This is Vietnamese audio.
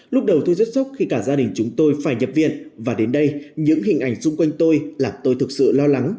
lúc đầu tôi rất sốc khi cả gia đình chúng tôi phải nhập viện và đến đây những hình ảnh xung quanh tôi là tôi thực sự lo lắng